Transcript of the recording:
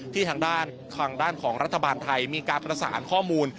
ทางด้านทางด้านของรัฐบาลไทยมีการประสานข้อมูล